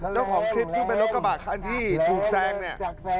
เจ้าของคลิปซึ่งเป็นรถกระบะคันที่ถูกแซงเนี่ย